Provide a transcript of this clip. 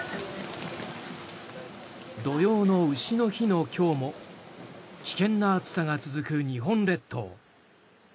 土用の丑の日の今日も危険な暑さが続く日本列島。